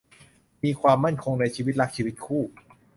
มีความมั่นคงในชีวิตรักชีวิตคู่